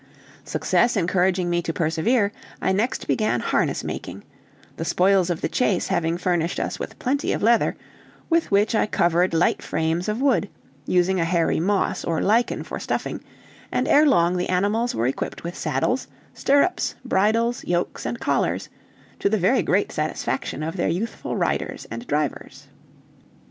Success encouraging me to persevere, I next began harness making; the spoils of the chase having furnished us with plenty of leather, with which I covered light frames of wood, using a hairy moss or lichen for stuffing, and ere long the animals were equipped with saddles, stirrups, bridles, yokes, and collars, to the very great satisfaction of their youthful riders and drivers.